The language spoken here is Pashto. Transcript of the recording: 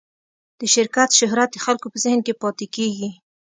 د شرکت شهرت د خلکو په ذهن کې پاتې کېږي.